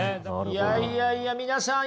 いやいやいや皆さん